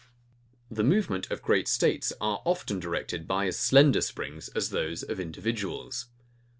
The movement of great states are often directed by as slender springs as those of individuals.